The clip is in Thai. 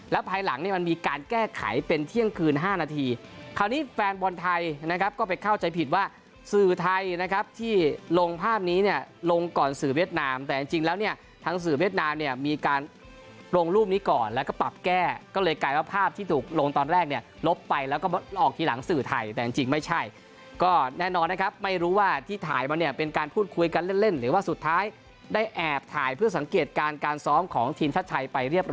ลงภาพนี้เนี่ยลงก่อนสื่อเวียดนามแต่จริงแล้วเนี่ยทางสื่อเวียดนามเนี่ยมีการลงรูปนี้ก่อนแล้วก็ปรับแก้ก็เลยกลายว่าภาพที่ถูกลงตอนแรกเนี่ยลบไปแล้วก็ออกทีหลังสื่อไทยแต่จริงไม่ใช่ก็แน่นอนนะครับไม่รู้ว่าที่ถ่ายมาเนี่ยเป็นการพูดคุยกันเล่นหรือว่าสุดท้ายได้แอบถ่ายเพื่อสังเกตการ